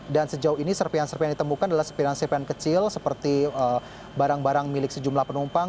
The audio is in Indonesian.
dan sejauh ini serpihan serpihan yang ditemukan adalah serpihan serpihan kecil seperti barang barang milik sejumlah penumpang